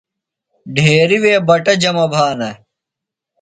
ڈھیریۡ وے بٹہ جمہ بھانہ۔